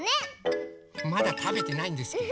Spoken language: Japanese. まだたべてないんですけど。